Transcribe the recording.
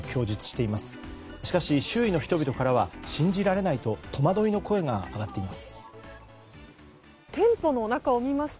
しかし、周囲の人々からは信じられないと戸惑いの声が上がっています。